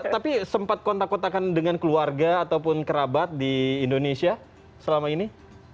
tapi sempat kontak kotakan dengan keluarga ataupun kerabat di indonesia selama ini